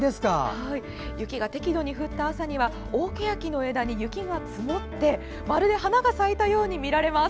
雪が適度に降った朝には大ケヤキの枝に雪が積もってまるで花が咲いたように見られます。